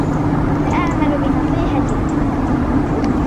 سأعمل بنصيحتك